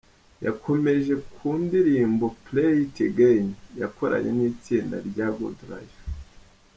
Yakomereje ku ndirimbo 'Play it again' yakoranye n'itsinda rya Good Lyfe.